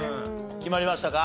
決まりましたか？